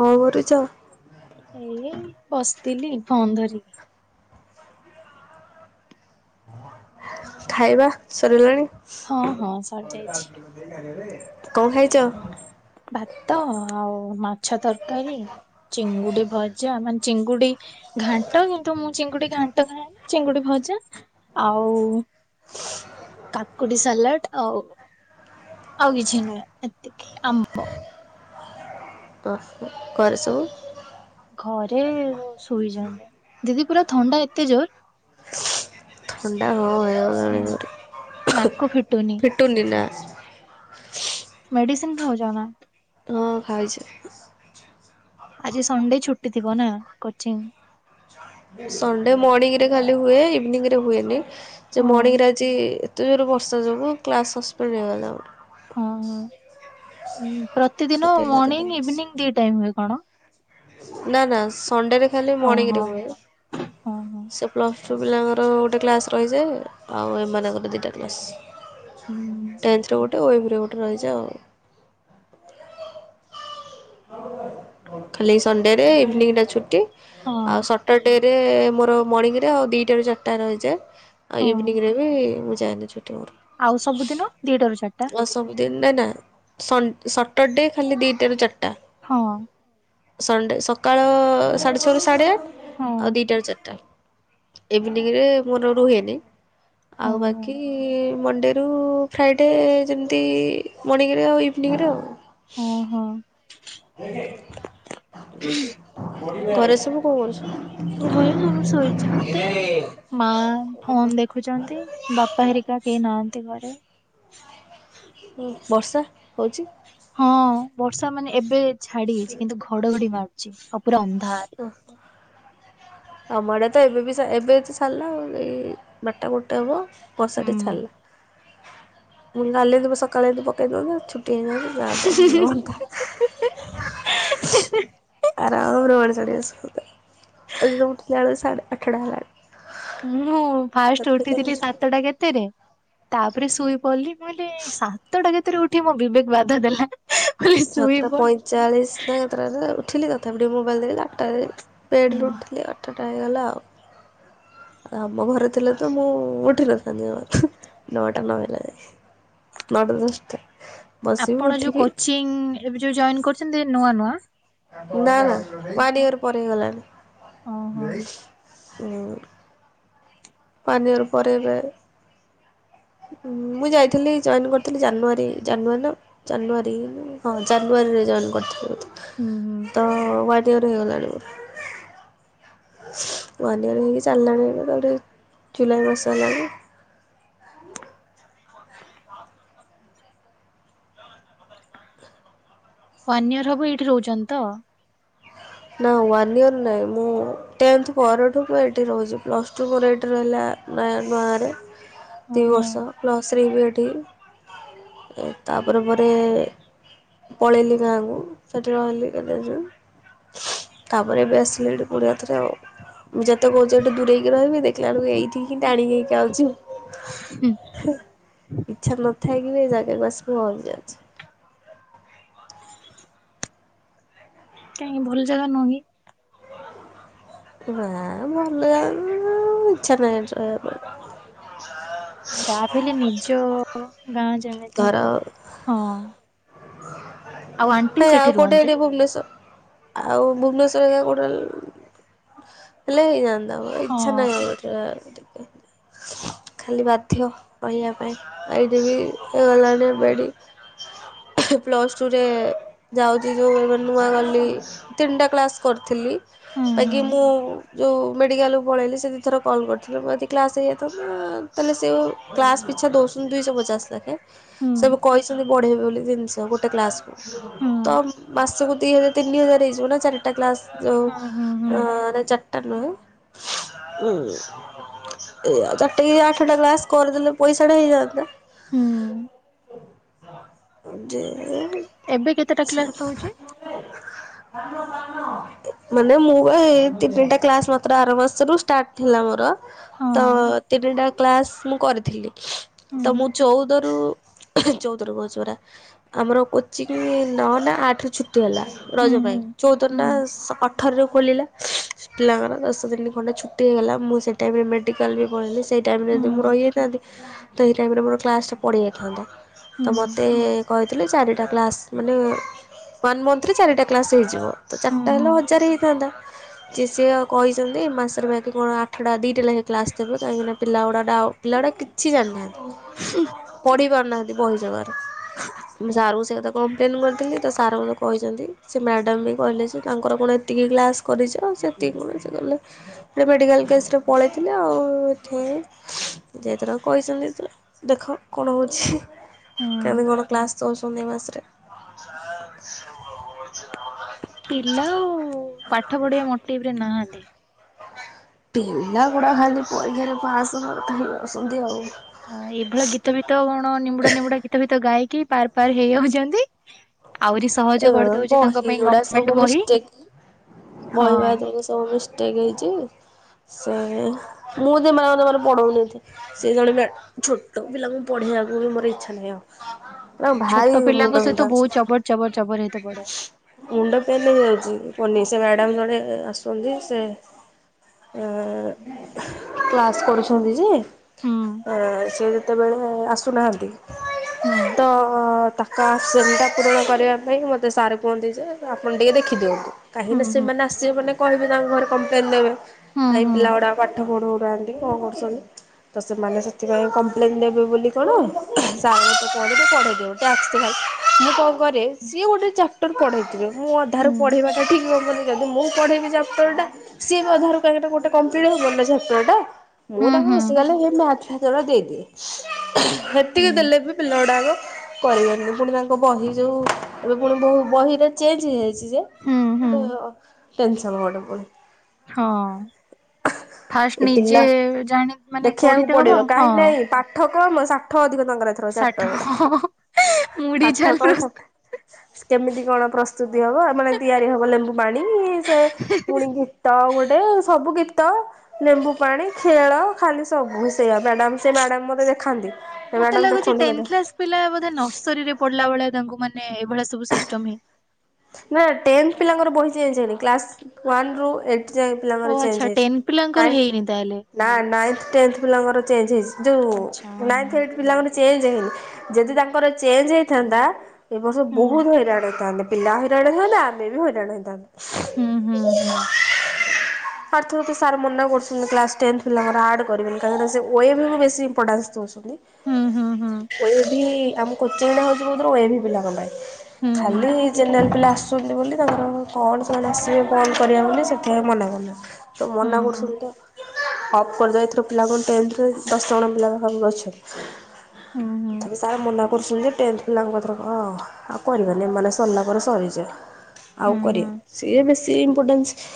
କଣ କରୁଛ ଏଇ ବସିଥିଲି ଫୋନ୍ ଧରିକି ଖାଇବା ସରିଲାଣି ହଁ ହଁ ସରିଯାଇଛି କଣ ଖାଇଛ ଭାତ ଆଉ ମାଛ ତରକାରି ଚିଙ୍ଗୁଡ଼ି ଭଜା ମାନେ ଚିଙ୍ଗୁଡି ଘାଣ୍ଟ କିନ୍ତୁ ମୁଁ ଚିଙ୍ଗୁଡି ଘାଣ୍ଟ ଖାଏନି ଚିଙ୍ଗୁଡି ଭଜା ଆଉ କାକୁଡ଼ି ସାଲାଟ ଆଉ ଆଉ କିଛି ନୁହେଁ ଏତିକି ଆମ୍ବ ତ ଘରେ ସବୁ ଘରେ ଶୋଇଛନ୍ତି ଦିଦି ପୁରା ଥଣ୍ଡା ଏତେ ଜୋର ଥଣ୍ଡା ହ ହେଇଗଲାଣି ନା ଭାରି ଫିଟୁନି ନା ମେଡିସିନି ଖାଉଛ ନା ହଁ ଖାଇଛି ଆଜି ସଣ୍ଡେ ଛୁଟି ଥିବ ନା କୋଚିଂଙ୍ଗି ସଣ୍ଡେ ମଣିଙ୍ଗିରେ ଖାଲି ହୁଏ ଇଭିନିଙ୍ଗିରେ ହୁଏନି ଯେ ହଁ ମଣିଙ୍ଗିରେ ଆଜି ଏତେଜୋର ବର୍ଷା ଯୋଗୁ କ୍ଲାସ୍ ସସ୍ପେଣ୍ଡ ହେଇଗଲା ଆମର ହଁ ହଁ। ପ୍ରତିଦିନ ସେଥିଲାଗି ମଣିଙ୍ଗି ଦେଲେନି। ଇଭିନିଙ୍ଗି ଦି ଟାଇମିରେ ହୁଏ କଣ ନା ନା ସଣ୍ଡେରେ ଖାଲି ଓହୋ ମଣିଙ୍ଗିରେ ହୁଏ ହୋ ହଁ ହଁ ସେ ପ୍ଲସ୍ ଟୁ ପିଲାଙ୍କର ଗୋଟେ କ୍ଲାସ୍ ରହିଯାଏ ଆଉ ଏମାନଙ୍କର ଦୁଇଟା କ୍ଲାସ୍ ହୁଁ ଟେନ୍ ଥୋ ଗୋଟେ ଉଏବରେ ଗୋଟେ ରହିଛି ଆଉ ଖାଲି ସଣ୍ଡେରେ ଇଭିନିଙ୍ଗି ଟା ଛୁଟି ହଁ ଆଉ ଡେଏରେ ମୋର ମଣିଙ୍ଗିରେ ଆଉ ଦୁଇଟାରୁ ଚାରିଟା ରହିଯାଏ ଆଉ ହଁ ଇଭିନିଙ୍ଗିରେ ବି ମୁଁ ଯାଏନି ଛୁଟି ମୋର ଆଉ ସବୁଦିନ ଦିଟା ରୁ ଚାରିଟା ସବୁଦିନ ନା ସଟରଡେ ଖାଲି ଦିଇଟା ରୁ ଚାରିଟା ହଁ। ସଣ୍ଡେ ସକାଳ ସାଢ଼େ ଛଅରୁୁ ସାଢ଼େ ଆଠ ହଁ ଆଉ ଦିଟା ରୁ ଚାରିଟା। ଇଭିନଂରେ ମୋର ରୁହନି। ହଁ ଆଉ ହଁ ବାକି ମଣ୍ଡେରୁ ଫ୍ରାଇଡ଼େ ଯେମିତି ମର୍ଣ୍ଣିଙ୍ଗ ରେ ଆଉ ଇଭିନିଂ ରେ ଆଉ। ଓହୋ [inaudible] ଘରେ ସବୁ କଣ କରୁଚନ୍ତି? ଘରେ ସବୁ ଶୋଇଛନ୍ତି। ମା ଫୋନ୍ ଦେଖୁଛନ୍ତି ବାପା ହେରିକା କେହି ନାହାନ୍ତି ଘରେ। ହଁ ବର୍ଷା ହଉଚି? ହଁ ବର୍ଷା ମାନେ ଏବେ ଛାଡି ଯାଇଚି କିନ୍ତୁ ଘଡଘଡି ମାରୁୁଚି ଆଉ ପୁରା ଅନ୍ଧାର। ହଁ। ଆମଡେ ତ ଏବେ ବି ଏବେ ତ ଛାଡିଲା ଆଉ ଏଇ ବାରଟା ଗୋଟେ ହବ। ବର୍ଷା ଟିକେ ହୁଁ ଛାଡିଲା ମୁଁ ଗାଲେଇ ଦବୁ ସକାଳେ ଏତୁ ପକାଇଦେବ ଛୁଟି ହେଇଗି ପ୍ରାଏ ତ ଭଲ ହୁଅନ୍ତା। ଆରାମରେ ମଣିଷ ଟିକେ ଶୁଅନ୍ତା ଆଜି ତ ଉଠିଲା ବେଳେ ସାଢେ ଆଠଟ ହେଲାଣି। ମୁଁ ଫାଷ୍ଟ ସାତଟା ଉଠିଥିଲି ଚାଳିଶ ସାତଟା କେତେରେ ତାପରେ ଶୋଇ ପଡିଲି ମୁ କହିଲି ସାତଟା କେତେରେ ଉଠିବି ମୋ ବିବେକ ବାଧା ଦେଲା। କହିଲି ସାତଟା ଶୋଇପଡ। ପଇଁଚାଳିସି ନା କେତେଟା ଉଠିଲି ତଥାପି ଟିକେ ମୋବାଇଲ ଦେଖିଲି ଆଟାରେ ବେଡ୍ ରୁ ହୁଁ ଉଠିଲି ଆଠଟା ହେଇଗଲା ଆଉ। ଆଉ ଆମ ଘରେ ଥିଲେ ତ ମୁଁ ଉଠିନଥାନ୍ତି ନଅଟା ନ ହେଲା ଜାଙ୍କେ। ନଅଟା ଦଷ୍ଟା। ଆପଣ ଯୋଉ କୋଚିଂ ଏବେ ଯୋଉ ଜଏନ୍ କରୁଚନ୍ତି ନୂଆ ନୂଆ ନାଁ ନାଁ ୱାନ ଇୟର ପରେ ଓହୋ। ହେଇଗଲାଣି। ୱାନ୍ ଇଅର ପରେ ଏବେ ମୁଁ ଯାଇଥିଲି ଜଏନ୍ କରିଥିଲି ଜାନୁଆରୀ ଜାନୁଆରୀ ନା ଜାନୁଆରୀ ହଁ ଜାନୁଆରୀରେ ଜଏନ୍ କରିିଥିଲି ହୁଁ ହୁଁ ବୋଧେ ତ ୱାନ୍ ଇୟର ହେଇଗଲାଣି। ୱନ୍ ଇୟର୍ ହେଇକି ଚାଲିଲାଣି ଏବେ [unintelligible] ଜୁଲାଇ ମାସ ହେଲାଣି। ୱାନ୍ ଇୟର ହବ ଏଇଠି ରହୁଚନ୍ତି ତ? ନା ୱାନ୍ ଇୟର୍ ନାହିଁ ମୁଁ ଟେନ୍ଥ ପରେଠୁ ମୁଁ ଏଇଠି ରହୁଚି ପ୍ଲସ୍ ଟୁ ମୋର ଏଇଠି ର ହେଲା ନା ନୂଆଗାଁ ରେ ଦୁଇ ଓହୋ। ବର୍ଷ ପ୍ଲାସ୍ ଥ୍ରୀ ବି ଏଇଠି ତାପରେ ପରେ ପଳେଇଲି ଗାଁକୁ ସେଠି ରହିଲି କେତେ ଦିନ୍ ତାପରେ ଏବେ ଆସିଲିଣି ଫୁଣି ଆଉଥରେ ଆଉ। ମୁଁ ଯେତେ କହୁଛି ଏଠୁ ଦୂରେଇକି ରହିବି ଦେଖିଲାଅଳଳୁ ଏଇଠି କି ଟାଣି ହେଇ ଆଉଚି। ହୁଁ ଇଚ୍ଛା ନଥାଇକି ବି ଏଇ ଯାଗାକୁ ଆସି ପହଁଚି ଯାଉଚି। କାହିଁକି ଭଲ ଜାଗା ନୁହଁ କି? ନା ଭଲଲାଗୁନୁ ନୁ ଏଠି ଇଚ୍ଛା ନାହିଁ ରହିବାକୁ। ଯାହାବି ହେଲେ ନିଜ ଗାଁ ଯେମିତି ଧର ହଁ। ଆଉ ଆଣ୍ଟି ହେ ଆଉ ସେଠି କୋଉଟେ ରୁହନ୍ତି? ଏଠେ ଭୁବନେଶ୍ଵର ଆଉ ଭୁବନେଶ୍ଵର ହେରିକା କୋଉଠି ହେଲେ ହେଲେ ହେଇଯାଆନ୍ତା ମ ଇଚ୍ଛା ହଁ। ନାହିଁ ଆଉ ଏଠି ରହିବା ପାଇଁ। ଖାଲି ବାଧ୍ୟ ରହିବା ପାଇଁ ଏଇଠି ବି ହେଇଗଲାଣି ବେଡ଼ି ପ୍ଲସ୍ ଟୁରେ ଯାଉଚି ଯୋଉ ନୂଆ ଗଲି ତିନିଟା କ୍ଲାସ କରିଥିଲି। ହୁଁ ହୁଁ ବାକି ମୁଁ ଯୋଉ ମେଡ଼ିକାଲକୁ ପଳେଇଲି ସେ ଦି ଥର କଲ୍ କରିଥିଲି ଯଦି କ୍ଲାସ୍ ହେଇଯାଇଥାନ୍ତା ତାହେଲେ ସେ କ୍ଲାସ୍ ପିଛା ଦଉଚନ୍ତି ଦୁଇଶହ ପଚାଶ ଲାଖେ। ହୁଁ ସବୁ କହିଛନ୍ତି ବଢେଇବେ ବୋଲି ଜିନିଷ ଗୋଟେ କ୍ଲାସକୁ। ହୁଁ ତ ମାସକୁ ଦି ହଜାର ତିନି ହଜାର ହେଇଯିବ ନା ଚାରିଟା କ୍ଲାସ ଯୋଉ ହୁଁ ହୁଁ ହୁଁ ଚା [inaudible] ଏଇ ଆଉ ଚାରିଟାକି ଆଠଟା କ୍ଲାସ କରିଦେଲେ ପଇସାଟା ହେଇଯାଆନ୍ତା। ହୁଁ। ଯେ ଏବେ କେତେଟା କ୍ଲାସ ରହୁଛି? [inaudible] ମାନେ ମୁଁ ହେଇ ତିନିଟା କ୍ଲାସ ମାତ୍ର ଆର ମାସରୁ ଷ୍ଟାର୍ଟ ଥିଲା ମୋର। ହଁ। ତ ତିନିଟା କ୍ଲାସ୍ ମୁଁ କରିଥିଲି ତ ହୁଁ। ମୁଁ ଚଉଦରୁ ଚଉଦରୁ କହୁଛି ପରା। ଆମର କୋଚିଂ ନଅ ନା ଆଠରୁ ଛୁଟି ହେଲା ହୁଁ ରଜ ପାଇଁ। ହୁଁ ଚଉଦରେ ନା ହୁଁ ଅଠରରେ ଖୋଲିଲା। ପିଲାଙ୍କର ଦଶ ଦିନି ଖଣ୍ଡେ ଛୁଟି ହେଇଗଲା, ମୁଁ ସେଇ ଟାଇମରେ ମେଡ଼ିକାଲ ବି ପଳେଇଲି। ସେଇ ଟାଇମରେ ଯଦି ମୁଁ ରହିଯାଇଥାନ୍ତି ତ ହେଇ ଟାଇମରେ ମୋର କ୍ଲାସଟା ପଡ଼ିିଯାଇଥାନ୍ତା ତ ହୁଁ ମୋତେ କହିଥିଲେ ଚାରିଟା କ୍ଲାସ୍ ମାନେ ୱାନ୍ ମନ୍ଥରେ ଚାରିଟା କ୍ଲାସ୍ ହେଇଯିବ ତ ହୁଁ ଚାରିଟା ହୁଁ ହେଲେ ହଜାରେ ହେଇଥାନ୍ତା। ଜେ ସିଏ କହିଛନ୍ତି ମାସର ବାକି କଣ ଆଠଟା ଦିଟା ଲେଖା କ୍ଲାସ୍ ଦେବେ କାହିଁକିନା ପିଲା ଗୁଡ଼ାକ ଡା ପିଲାଗୁଡ଼ା କିଛି ଜାଣିନାହାନ୍ତି। ପଢି ପାରୁନାହାନ୍ତି ବହି ଯମାରୁମୁଁ ସାରଙ୍କୁ ସେଇ କଥା କମ୍ପ୍ଲେନ୍ କରିଥିଲି ତ ସାର୍ ମୋତେ କହିଛନ୍ତି ସେ ମ୍ୟାଡ଼ମ୍ ବି କହିଲେ ଯେ ତାଙ୍କର କଣ ଏତିକି କ୍ଲାସ୍ କରିଛ ଆ ସେତିକି କଣ ସିଏ କହିଲେ ତ୍ ମେଡିକାଲ କେସରେ ପଳେଇଥିଲେ ଆଉ ଏଥି ଯେ ଏଥର କହିଛନ୍ତି ସେ ଦେଖ କଣ ହେଉଛି ହୁଁ କେମିତି କଣ କ୍ଲାସ୍ ଦଉଛନ୍ତି ଏ ମାସରେ [inaudible] ପିଲା ଆଉ ପାଠ ପଢିବା ମୋଟିଭରେ ନାହାନ୍ତି। ପିଲାଗୁଡା ଖାଲି ପରୀକ୍ଷାରେ ପାସ କରୁଥାଇ ବସନ୍ତି ଆଉ। ହ ଏଇଭଳିଆ ଗୀତ ବି ଗୀତ କଣ ନିମ୍ବୁଡା ନିବୁଡା ଗୀତ ଭୀତ ଗାଇକି ପାର ପାର ହେଇଯାଉଛନ୍ତି ଆହୁରି ସହଜ ଏବେ କରିଦଉଛି ତାଙ୍କ ବହି ପାଇଁ ଗୁଡା ଗଭର୍ଣମେଣ୍ଟ ସବୁ ବହି ମିଷ୍ଟେକ୍ ବହି ହଁ। ବାଦ ସବୁ ମିଷ୍ଟେକ୍ ହେଇଛି ସେ ମୁଁ ସେମାନେଙ୍କୁ ଜମାରୁ ପଢ଼ଉନି ଏତେ। ସେ ଜଣେ ମ୍ୟା ଛୋଟ ପିଲାଙ୍କୁ ପଢେଇବାକୁ ମୋର ଇଚ୍ଛା ନାହିଁ ଆଉ। ନା ଭାଇ ମୁଣ୍ଡ ବିିନ୍ଧା ଅଛି। ଚବର ଚବର ହେଇତେ ପଡିବ। ମୁଣ୍ଡ ପେନ ହେଇଯାଉଛି କହନି ସେ ମ୍ୟାଡାମ ଜଣେ ଆସନ୍ତି ସେ ଏଁ କ୍ଲାସ୍ କରୁଛନ୍ତି ଯେ ହୁଁ ଏଁ ସେ ଯେତେବେଳେ ଆସୁନାହାନ୍ତି। ହୁଁ ତ ତାକ ଆସନଟା ପୂରଣ କରିବା ଭାଇମତେ ସାର୍ କୁହନ୍ତି ଯେ ଆପଣ ଟିକେ ଦେଖି ଦିଅନ୍ତୁ ହୁଁ କାହିଁକିନା ହୁଁ ସେମାନେ ଆସିବେ ମାନେ କହିବେ ତାଙ୍କ ଘରେ କମ୍ପ୍ଲେନ ଦେବେ ହୁଁ କାଇଁ ହୁଁ ପିଲା ଗୁଡ଼ାକ ପାଠ ପଢାଉନାହାନ୍ତି କଣ କରୁଛନ୍ତି? ତ ସେମାନେ ସେଥିପାଇଁ କମ୍ପ୍ଲେନ୍ ଦେବେବୋଲି କଣ ସାର୍ ମୋତେ [inaudible] ପଢ଼େଇ ଦିଅନ୍ତୁ। [inaudible] ମୁଁ କଣ କରେ? ସିଏ ଗୋଟେ ଚାପ୍ଟର ପଢ଼େଇଥିବେ ମୁଁ ହୁଁ ଅଧାରୁ ପଢ଼େଇବାଟା ଠିକ୍ ହବନି। ଯଦି ମୁଁ ପଢ଼େଇବି ଚାପ୍ଟରଟା ସିଏ ବି ଅଧାରୁ ପ୍ୟାକଟା ଗୋଟେ କମ୍ପିଟ୍ ହେଵନିନା ଚାପ୍ଟରଟା। ମୁଁ ହୁଁ ତାଙ୍କୁ ହୁଁ ବେସିକାଲି ହେଇ ମ୍ୟାଥ ଫ୍ୟାଥ ଗୁରା ଦେଇଦିଏ। ହୁଁ ହେତିକି ଦେଲେ ବି ପିଲା ଗୁଡାକ କରିବେନି ପୁଣି ତାଙ୍କ ବହି ଯୋଉ ଏବେ ପୁଣି ବହୁ ବହିରେ ଚେଞ୍ଜ ହେଇଯାଇଛି ଯେ ହୁଁ ହଁ ଗୋଟେ ଅ ଟେନ୍ସନ୍ ଗୋଟେ ପୁଣି। ହଁ ଫାଷ୍ଟ ଏ ନିଜେ ପିଲା ଜାଣି ମାନେ ପଢିି ଦେଖିବାକୁ ତ ହବ ପଡିବ ହଁ। କାହିଁକି ନାଇଁ ପାଠ କମ ସାଠ ଅଧିକ ତାଙ୍କର ଏଥର ଷାଠ ଚାପ୍ଟର ଗୁଡା ମୁଢି ପାଠ ଝାଲ କମ୍ ସାଠ। ପ୍ରସ୍ତୁତ କେମିତି କଣ ପ୍ରସ୍ତୁତି ହବ ମାନେ ତିଆରି ହବ ଲେମ୍ବୁ ପାଣି ସେ। ପୁଣି ଗୀତ ଗୋଟେ ସବୁ ଗୀତ। ଲେମ୍ବୁ ପାଣି ଖେଳ ଖାଲି ସବୁ ସେଇଆ ମ୍ୟାଡ଼ାମ୍ ସେ ମାଡ଼ାମ୍ ମୋତେ ଦେଖାନ୍ତି। ମତେ ମ୍ୟାଡାମ ଲାଗୁଛି ଦେଖନ୍ତୁ ଟେନ ମୋତେ କ୍ଲାସ୍ ପିଲା ବୋଧେ ନର୍ସରୀରେ ପଢିଲା ଭଳିଆ ତାଙ୍କୁ ମାନେ ଏଇଭଳିଆ ସବୁ ସିଷ୍ଟମ୍ ହେ ନା ଟେନଥ୍ ପିଲାଙ୍କର ବହି ଚେଞ୍ଚେ ହେଇନି କ୍ଲାସ୍ ୱାନ୍ ରୁ ଏଇଟ୍ ଯାଏ ଓ ପିଲାଙ୍କର ଆଚ୍ଛା ଚେଞ୍ଚେ ହେଇଛି ଟେନ୍ ପିଲାଙ୍କର ନାଇଁ ହେଇନି ତାହେଲେ ନା ନାଇଁଥ୍ ଟେନଥ୍ ପିଲାଙ୍କର ଚେଞ୍ଚେ ହେଇଚି ଯୋଉ ଆଚ୍ଛା ନାଇଁଥ୍ ଏଇଟ୍ ପିଲାମାନେ। ଚେଞ୍ଜେ ହେଇନି ଯଦି ତାଙ୍କର ଚେଞ୍ଜ୍ ହେଇଥାନ୍ତା ଏ ବର୍ଷ ହଁ। ବହୁତ୍ ହଇ ହେଇଥାନ୍ତେ ପିଲା ହଇରାଣ ହେବା ଆମେ ବି ହଇରାଣ ହେଇଥାନ୍ତେ। ହୁଁ ହୁଁ ହୁଁ। [inaudible] ଆର୍ଥରକ ସାର୍ ମନା କରୁଥିଲେ କ୍ଲାସ୍ ଟେନ୍ଥ ପିଲାଙ୍କର ଆଡ୍ କରିବେନି କାହିଁକିନା ସେ ଓ ଏ ଭି କୁ ବେଶୀ ଇମ୍ପୋଟାନ୍ସ ଦଉ ବୋଲି ହୁଁ ହୁଁ ହୁଁ ଓ ଏ ଭି ଆମ କୋଚିଂ ଟା ହଉଛି ପ୍ରକୁତରେ ଓ ଏ ଭି ପିଲାଙ୍କ ପାଇଁ। ହୁଁ ଖାଲି ଜେନେରାଲ୍ ପିଲା ଆ [unintelligible] ବୋଲି ତାଙ୍କର କଣ ସେମାନେ ଆସିବେ କଣ କରିବା ବୋଲି ସେଥିପାଇଁ ମନେ କଲେ। ତ ହୁଁ ହୁଁ ମନା କରୁୁସନ୍ତି ତ। ଅଫ୍ କରିଦେବେ ଏଥର ପିଲା କଣ ଟେନଥ୍ ରେ ଦଶ ଜଣ ପିଲା ପାଖାପାଖି ଅଛନ୍ତି ହୁଁ ହୁଁ। ତଥାବି ସାର୍ ମନା କରୁଛନ୍ତି ଯେ ଟେନଥ୍ ପିଲାଙ୍କୁ ଏଥରକ ଆଉ। କରିବେନି ମାନେ ସରଲା ପରେ ସରିଯା। ହୁଁ ଆଉ ହୁଁ ହୁଁ କରିବେ ସିଏ ବେଶୀ ଇମ୍ପୋର୍ଟାନ୍ସ।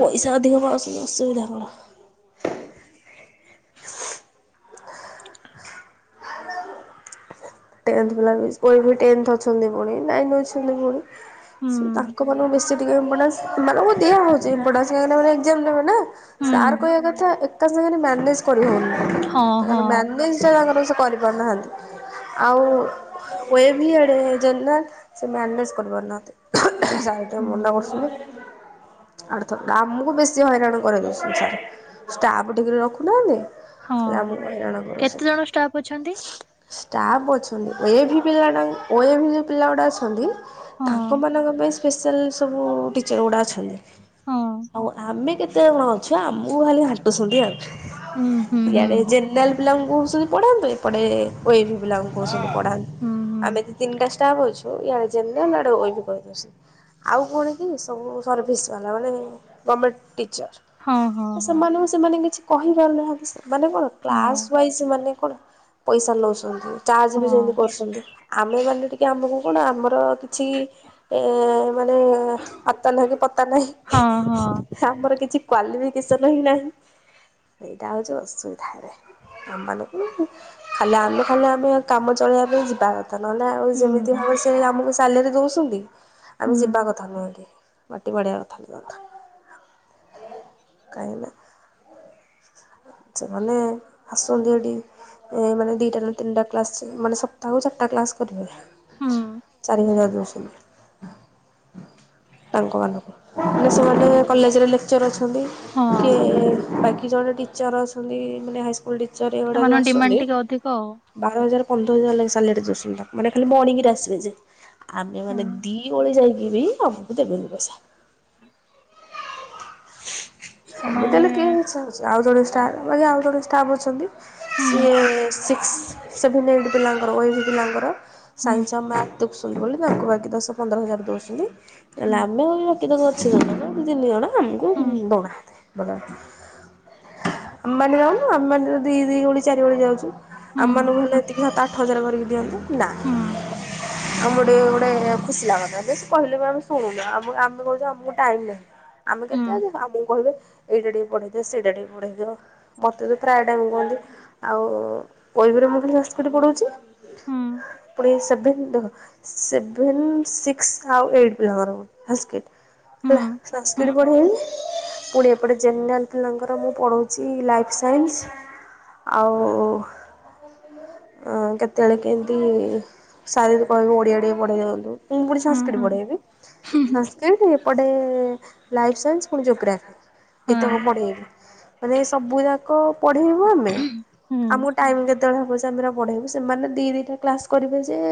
ପଇସା ଅଧିକ ପାଉସୁନ୍ତି ଅସୁବିଧା କଣ। ଟେନ୍ଥ ପିଲା ବି ଓ ଏ ଭି ଟେନ୍ଥ ଅଛନ୍ତି ପୁଣି ନାଇନ୍ ଅଛନ୍ତି ପୁଣି। ହୁଁ ହୁଁ ସେ ତାଙ୍କ ମାନଙ୍କୁ ବେଶୀ ଟିକେ ଇମ୍ପୋଟାନ୍ସ। ଏମାନଙ୍କୁ ଦିଆ ହଉଛି ଇମ୍ପୋଟାନ୍ସ ସେମାନେ ଆମର ଏକ୍ଜାମ ଦେବେ ନା। ସାର୍ ହୁଁ କହିବା କଥା ଏକା ସାଙ୍ଗରେ ମ୍ୟାନେଜ୍ କରି ହଉନି। ହଁ ହଁ ତାଙ୍କର ମ୍ୟାନେଜ୍ ଟା ତାଙ୍କର ସେ କରିପାରୁନାହାନ୍ତି। ଆଉ ଓ ଏ ଭି ଇଆଡ଼େ ଜେନେରାଲ୍ ସେ ମ୍ୟାନେଜ୍ କରିପାରୁନାହାନ୍ତି। ସାଇଟ୍ ରେ ମନା ହୁଁ କରୁସନ୍ତି। ଆର୍ଥରକ ଆମୁକୁ ବେଶୀ ହଇରାଣ କରେଇ ଦଉସନ୍ତି ସାର ଷ୍ଟାଫ୍ ଠିକ୍ ରେ ରଖୁନାହାନ୍ତି। ରାମୁ ହଇରାଣ କରୁଛନ୍ତି। ଷ୍ଟାପ୍ ଅଛନ୍ତି। ଷ୍ଟାଫ୍ ଅଛନ୍ତି ଏ ଭି ପିଲାମାନଙ୍କୁ ଓ ଏ ଭି ଯୋଉ ପିଲାଗୁଡ଼ା ଅଛନ୍ତି ହଁ ତାଙ୍କମାନଙ୍କ ପାଇଁ। ସ୍ପେଶାଲ୍ ସବୁ ଟିଚର ଗୁଡ଼ା ଅଛନ୍ତି ହଁ ଆଉ ଆମେ କେ ତେ କଣ ଅଛି ଆମୁକୁ ଖାଲି ଘାଣ୍ଟୁସୁନ୍ତି ଆଉ ହୁଁ ହୁଁ ହୁଁ। ଇଆଡେେ ଜେନରାଲ୍। ପିଲାଙ୍କୁ କୁହୁସନ୍ତି ପଢାନ୍ତୁ ଏପଟେ ଓ ଏ ଭି ପିଲାଙ୍କୁ କହୁସନ୍ତି ପଢାନ୍। ହୁଁ ହୁଁ ଆମେ ତ ତିନ୍ଟା ଷ୍ଟାଫ୍ ଅଛୁ ଇଆଡେ ଜେନରାଲ୍ ଆଡେ ଓ ଏ ଭି କହିଦଉସନ୍ତ୍। ଆଉ କଣ କି ସବୁ ସର୍ଭିସ୍ ଵାଲା ମାନେ ଗମେଣ୍ଟ୍ ଟିଚର୍ ହଁ ହଁ ତ ହଁ ସେମାନଙ୍କୁ। ସେମାନେ କିଛି କହିପାରୁନାହାନ୍ତି ସେମାନେ କଣ ହଁ। କ୍ଲାସ୍ ୱାଇଜ୍ ମାନେ କଣ ପଇସା ନଉସନ୍ତି। ଚାର୍ଜ ହଁ ବି ସେମତି କରିସନ୍ତି ଆମେମାନେ ଟିକେ ଆମୁକୁ କଣ ଆମର କିଛି ଏ। ମାନେ ଆତା ନାହିଁ କି ପତା ହଁ ହଁ ନାହିଁ। ଆମର କିଛି କ୍ଵାଲିଫିକେସନ ହି ନାହିଁ। ହେଇଟା ହଉଛି ଅସୁବିଧା ରେ ଆମମାନଙ୍କୁ ଖାଲି ଆମ ଖାଲି ଆମେ କାମ ଚଳେଇବା ପାଇଁ ଯିବା କଥା, ନହେଲେ ଆଉ ହୁଁ ଯେମିତି ହୋଉସି ଆମକୁ ସାଲେରି ଦଉସନ୍ତି। ଆମେ ହୁଁ ଯିବା କଥା ନୁହେଁ କି? ମୋତେ ବଢିଆ କଥାଟେ [unintelligible] କାହିଁକି ନା ସେମାନେ ଆସନ୍ତି ଏଠି ଏ ମାନେ ଦିଟା ନା ତିନିଟା କ୍ଲାସ୍ ମାନେ ସପ୍ତାହକୁ ଚାଟା କ୍ଲାସ୍ କରିବେ। ହୁଁ ଚାରି ହଜାର ଦଉଛନ୍ତି ତାଙ୍କ ମାନଙ୍କୁ। ବି ଭଲ ସେମାନେ କଲେଜ୍ ରେ ଲେକ୍ଚର୍ ଅଛନ୍ତି, ହଁ କିଏ ବାକି ଜଣେ ଟି ଚର ଅଛନ୍ତି, ମାନେ ହାଇସ୍କୁଲ୍ ଟିଚର୍ ଏଗୁଡା ଯୋଉ ସେମାନଙ୍କ ଆସଛନ୍ତି। ଡିମାଣ୍ଡ ଟିକେ ଅଧିକ ଆଉ ବାର ହଜାର ପନ୍ଦର ହଜାର ଲାଗେ ସାଲରୀ ଦୋଉସନ୍ତି ତାଙ୍କୁ ମାନେ ଖାଲି ମର୍ଣିିଙ୍ଗରେ ଆସିବେ ଯେ। ଆମେ ମାନେ ହଁ ଦି ଓଳି ଯାଇକି ବି [unintelligible] ଦେବେନି ପଇସା। ସେମାନେ [unintelligible] ଆଉ ଜଣେ ଷ୍ଟା ମାନେ ଆଉ ଜଣେ ଷ୍ଟାପ୍ ଅଛନ୍ତି। ହୁଁ ସିଏ ସିକ୍ସ ସେଭେନ ଏଇଟ୍ ପିଲାଙ୍କର, ଏଇଟ୍ ପିଲାଙ୍କର ହୁଁ ସାଇନ୍ସ ଆଉ ମ୍ୟାଥ୍ ଦେଖୁସନ୍ତି ବୋଲି ତାଙ୍କୁ ବାକି ଦଶ ପନ୍ଦର ହଜାର ଦୋଉଛନ୍ତି। ଏ ହୁଁ ଲାଭ ରକିଦବ ତାକୁ ଅଛି ଜଣଙ୍କ, ତିନି ଜଣ ଆମକୁ ହୁଁ ଦଉନାହାନ୍ତି, ଦଉନାହାନ୍ତି। ଆମମାନେ ଯାଉନୁ ଆମମାନେ ତ ଦି ଦି ଓଳି ଚାରି ଓଳି ଯାଉଛୁ। ହୁଁ ଆମ ମାନଙ୍କୁ ହେଲେ ଏତିକି ସାତ ଆଠ ହଜାର କରିକି ଦିଅନ୍ତୁ ନା। ହୁଁ ଆମକୁ ଟିକେ ଗୋଟେ ଖୁସି ଲାଗନ୍ତା, ହେଲେ ସେ କହିଲେ ବି ଆମେ ଶୁଣୁନା ଆମ ଆମେ କୋହୁ ଯେ ଆମକୁ ଟାଇମ୍ ନାହିଁ। ଆମେ ହୁଁ କେତେକାଳେ ଯିବୁ, ଆମକୁ କହିବେ, ଏଇଟା ଟିକେ ପଢ଼େଇ ଦିଅ। ସେଇଟା ଟିକେ ପଢେଇ ଦିଅ। ମୋତେ ତ ପ୍ରାୟ ଟାଇମ୍ କୁହନ୍ତି। ଆଉ ୱିକ୍ ରେ ମୁଁ [unintelligible] ସାଂସକିଟ୍ ପଢଉଛି। ହୁଁ ପୁଣି ସେଭେନ୍ ଦେଖ ସେଭେନ୍, ସିକ୍ସ ଆଉ ଏଇଟ୍ ପିଲାଙ୍କର ସାଂସକିଟ୍। ହେଲା, ହୁଁ ହୁଁ ସାଂସକିଟ୍ ପଢ଼େଇଲି, ପୁଣି ଏପଟେ ଜେନେରାଲ୍ ପିଲାଙ୍କର ତ ମୁଁ ପଢ଼ଉଛି ଲାଇଫ୍ ସାଇନ୍ସ। ଆଉ ଅଁ, କେତେବେଳେ କେମତି, ସାର୍ ଯଦି କହିବେ ଓଡ଼ିଆ ଟିକେ ପଢ଼େଇ ଦିଅନ୍ତୁ। ମୁଁ ପୁଣି ହୁଁ ସାଂସକିଟ୍ ହୁଁ ପଢ଼େଇବି, ସାଂସକିଟ୍ ଏପଟେ ଲାଇଫ୍ ସାଇନ୍ସ ପୁଣି ଜୋଗ୍ରାଫି କେତେବେଳେ ହଁ ପଢ଼େଇବି। ମାନେ ଏ ସବୁ ଏଇରା କ- ପଢ଼େଇବୁ ଆମେ? ହୁଁ ଆମକୁ ଟାଇମ୍ କେତେବେଳେ ହବ ଯେ ଆମେ ଏରା ପଢ଼େଇବୁ, ସେମାନେ ଦି ଦି ଟା କ୍ଲାସ୍ କରିବେ ଯେ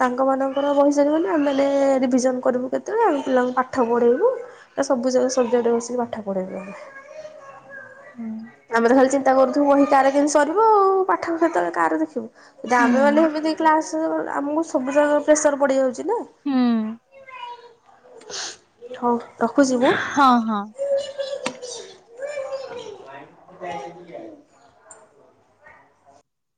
ତାଙ୍କ ମାନଙ୍କର ବହି ସରିଗଲେ ଆମମାନେ ରିବିଜନ୍ କରିବୁ କେତେବେଳେ? ପିଲାଙ୍କୁ ପାଠ ପଢ଼େଇବୁ। ଏ ସବୁଯାକ ସବଜେକ୍ଟ ବସିକି ପାଠ ପଢ଼େଇ ଦିଅନ୍ତି। ହୁଁ ଆମେ ତ ଖାଲି ଚିନ୍ତା କରୁଥୁବୁ ବହି କାହାର କେମିତି ସରିବ। ପାଠ ହେତେଳେ କାହାର ଦେଖିବୁ? ଏଟା ଆମେ ମାନେ ଏମତି କ୍ଲାସ୍ ଇଏ ମାନେ ଆମକୁ ସବୁ ଜାଗା ପ୍ରେସର୍ ପଡ଼ିଯାଉଚି ନା। ହୁଁ ହଉ, ରଖୁଛି ମୁଁ। ହଁ, ହଁ। [unintelligible]